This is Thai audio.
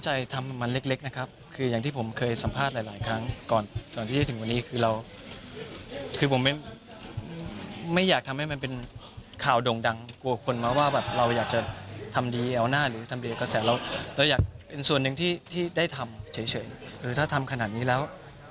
หรือถ้าทำขนาดนี้แล้ว